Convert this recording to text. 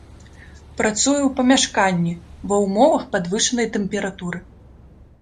Працуе ў памяшканні, ва ўмовах падвышанай тэмпературы.